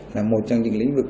là một trong những lĩnh vực